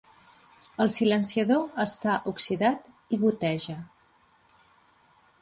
El silenciador està oxidat i goteja.